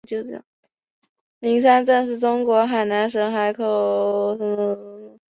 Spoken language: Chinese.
灵山镇是中国海南省海口市美兰区下辖的一个镇。